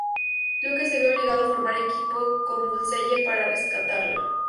Luke se vio obligado a formar equipo con Bullseye para rescatarla.